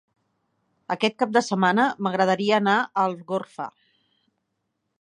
Aquest cap de setmana m'agradaria anar a Algorfa.